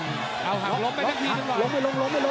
ทอกลงลบไว้นาทีก่อน